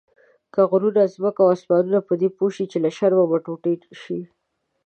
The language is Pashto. که غرونه، ځمکه او اسمانونه پدې پوه شي له شرمه به ټوټه شي.